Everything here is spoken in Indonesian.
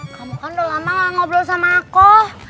kamu kan udah lama gak ngobrol sama aku